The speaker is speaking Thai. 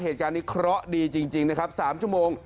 เหตุการณ์นี้เคราะห์ดีจริงนะครับ๓ชั่วโมง